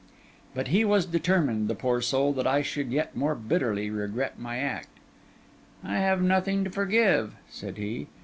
But he was determined, the poor soul, that I should yet more bitterly regret my act. 'I have nothing to forgive,' said he.